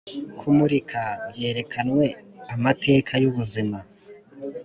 kumurika, byerekanwe amateka yubuzima